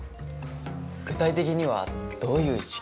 具体的にはどういう事件。